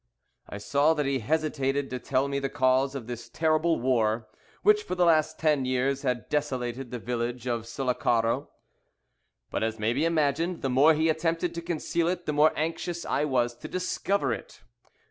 I saw that he hesitated to tell me the cause of this terrible war, which for the last ten years had desolated the village of Sullacaro. But, as may be imagined, the more he attempted to conceal it the more anxious I was to discover it.